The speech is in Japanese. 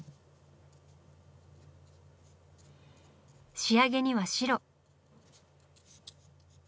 仕上げには白。